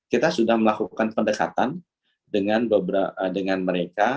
kita sudah melakukan pendekatan dengan mereka